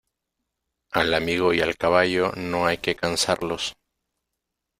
Al amigo y al caballo, no hay que cansarlos.